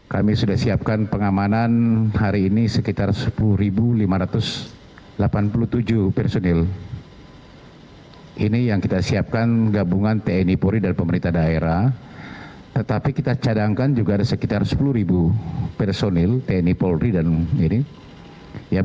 kami sudah siapkan pengamanan hari ini sekitar sepuluh lima ratus orang